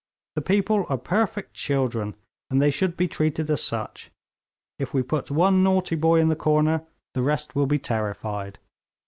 The people are perfect children, and they should be treated as such. If we put one naughty boy in the corner, the rest will be terrified.'